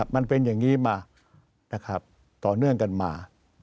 มันเป็นอย่างนี้มานะครับต่อเนื่องกันมา